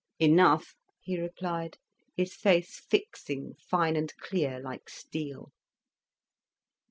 "Enough," he replied, his face fixing fine and clear like steel.